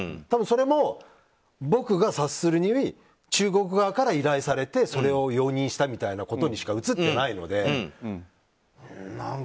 多分それも、僕が察するに中国側から依頼されてそれを容認したみたいなことにしか映ってないので。